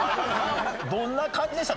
どんな感じでした？